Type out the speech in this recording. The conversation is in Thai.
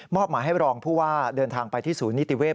หมายให้รองผู้ว่าเดินทางไปที่ศูนย์นิติเวศ